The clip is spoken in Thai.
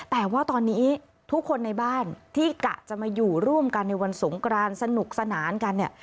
แต่ว่าตอนนี้ทุกคนในบ้านที่กะจะมาอยู่ร่วมกันในวันสงกรานสนุกสนานกันเนี่ย